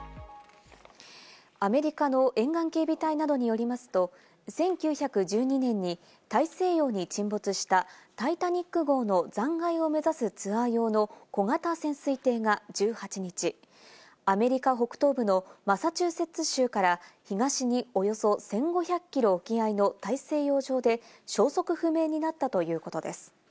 アメリカの沿岸警備隊などによりますと、１９１２年に大西洋に沈没したタイタニック号の残骸を目指すツアー用の小型潜水艇が１８日、アメリカ北東部のマサチューセッツ州から東におよそ１５００キロ沖合の大西洋上で消息不明になったということです。